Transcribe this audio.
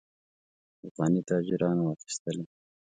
افغاني تاجرانو اخیستلې.